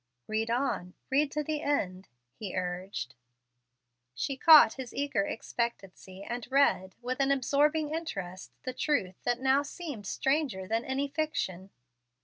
"Read on; read to the end," he urged. She caught his eager expectancy, and read, with an absorbing interest, the truth that now seemed stranger than any fiction.